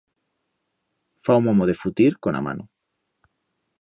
Fa o momo de futir con a mano.